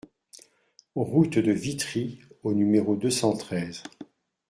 Route de Witry au numéro deux cent treize